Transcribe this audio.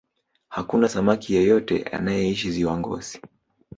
hakuna samaki yeyote anayeishi ziwa ngosi